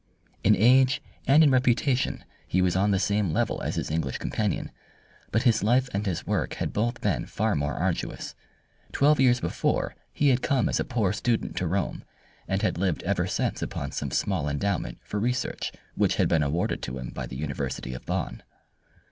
In age and in reputation he was on the same level as his English companion, but his life and his work had both been far more arduous. Twelve years before he had come as a poor student to Rome, and had lived ever since upon some small endowment for research which had been awarded to him by the University of Bonn.